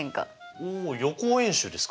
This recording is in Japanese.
おお予行演習ですか？